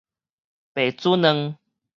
白煮卵